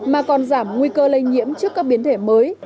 mà còn giảm nguy cơ lây nhiễm trước các biến thể mới